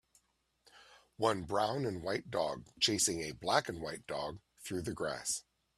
one brown and white dog chasing a black and white dog through the grass